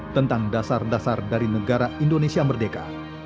tentang dasar dasar dari negara indonesia merdeka